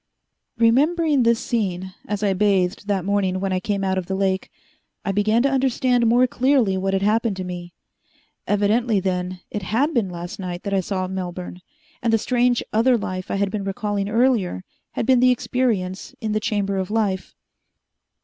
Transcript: Remembering this scene, as I bathed that morning when I came out of the lake, I began to understand more clearly what had happened to me. Evidently, then, it had been last night that I saw Melbourne, and the strange other life I had been recalling earlier had been the experience in the Chamber of Life.